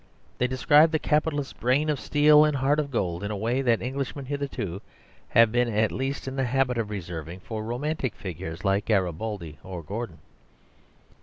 They describe the capitalist's brain of steel and heart of gold in a way that Englishmen hitherto have been at least in the habit of reserving for romantic figures like Garibaldi or Gordon.